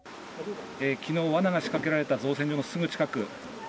昨日、罠が仕掛けられた造船所のすぐ近く。